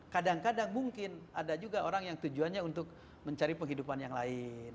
kadang kadang mungkin ada juga orang yang tujuannya untuk mencari penghidupan yang lain